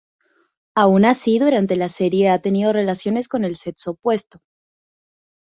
Aun así durante la serie ha tenido relaciones con el sexo opuesto.